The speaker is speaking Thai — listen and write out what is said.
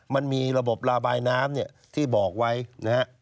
มันมีระบบระบายน้ำเนี่ยที่บอกไว้นะฮะ